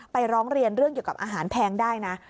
ร้องเรียนเรื่องเกี่ยวกับอาหารแพงได้นะ